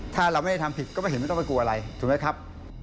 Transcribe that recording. ถ้าเราไม่ได้ทำผิดก็ไม่เห็นไม่ต้องไปกลัวอะไรถูกไหมครับ